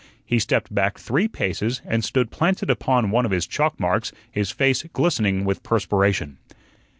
He stepped back three paces, and stood planted upon one of his chalk marks, his face glistening with perspiration.